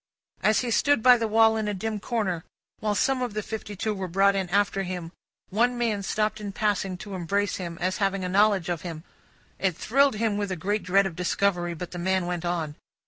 As he stood by the wall in a dim corner, while some of the fifty two were brought in after him, one man stopped in passing, to embrace him, as having a knowledge of him. It thrilled him with a great dread of discovery; but the man went on.